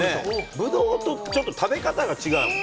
ぶどうと、ちょっと食べ方が違うもん。